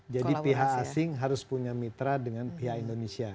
jadi pihak asing harus punya mitra dengan pihak indonesia